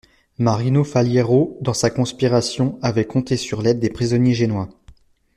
Marino Faliero dans sa conspiration avait compté sur l'aide des prisonniers génois.